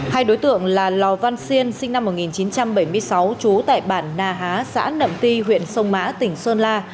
hai đối tượng là lò văn xiên sinh năm một nghìn chín trăm bảy mươi sáu chú tại bản nà há sãn đậm ti huyện sông mã tỉnh sơn la